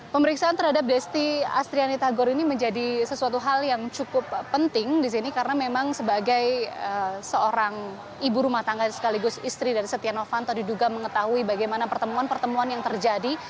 pemeriksaan terhadap desti astriani tagor ini menjadi sesuatu hal yang cukup penting di sini karena memang sebagai seorang ibu rumah tangga sekaligus istri dari setia novanto diduga mengetahui bagaimana pertemuan pertemuan yang terjadi